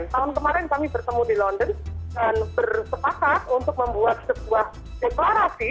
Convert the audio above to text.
dan selain kami bertemu di london dan bersepakat untuk membuat sebuah deklarasi